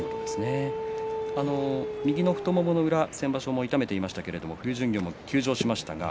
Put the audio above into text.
右の太ももの裏先場所、痛めていましたが巡業も休場しました。